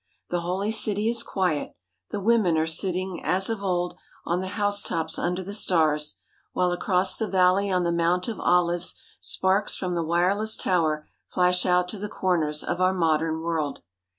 The Holy City is quiet. The women are sitting, as of old, on the housetops under the stars, while across the valley on the Mount of Olives sparks from the wireless tower flash out to the corners of our modern world.